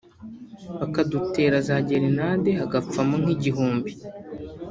bakadutera za gerenade hagapfamo nk’igihumbi